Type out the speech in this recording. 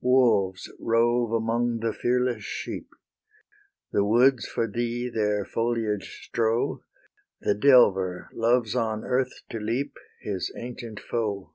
Wolves rove among the fearless sheep; The woods for thee their foliage strow; The delver loves on earth to leap, His ancient foe.